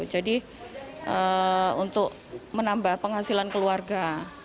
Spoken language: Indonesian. jadi untuk menambah penghasilan keluarga